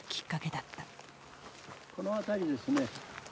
この辺りですね。